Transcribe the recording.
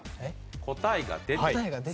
答えが出ている。